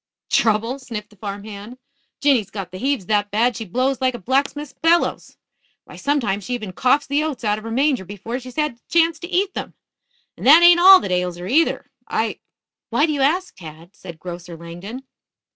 "Trouble?" sniffed the farm hand. "Jinny's got the heaves that bad she blows like a blacksmith's bellows. Why, sometimes she even coughs the oats out of her manger before she's had the chance to eat them. And that ain't all that ails her, either. I " "Why do you ask, Tad?" said Grocer Langdon.